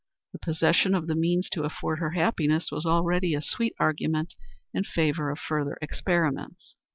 The possession of the means to afford her happiness was already a sweet argument in favor of further experiments.